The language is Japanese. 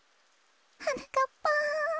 はなかっぱん。